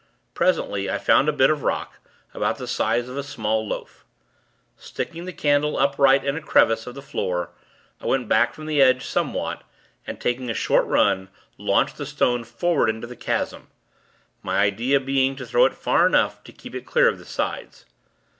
Presently, I found a bit of rock, about the size of a small loaf. Sticking the candle upright in a crevice of the floor, I went back from the edge, somewhat, and, taking a short run, launched the stone forward into the chasm my idea being to throw it far enough to keep it clear of the sides.